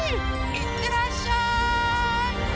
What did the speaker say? いってらっしゃい！